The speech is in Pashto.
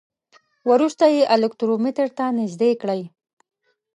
وروسته یې الکترومتر ته نژدې کړئ.